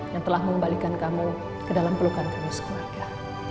yang telah mengembalikan kamu ke dalam pelukan kamu sekeluarga